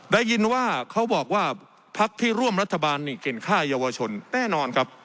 ได้ยินว่าเขาบอกว่าพักที่ร่วมรัฐบาลนี่เก่งค่าเยาวชนแน่นอนครับ